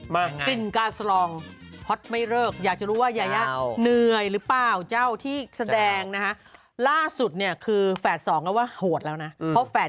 มาสิงกาซรองพัชไม่เลิกอยากจะรู้ว่ายาเนื่อยหรือเปล่าเจ้าที่แบบแสดงนะฆ่าสุดเนี่ยคือแฝด๒แล้วว่าโหตแล้วนะเพราะแฝด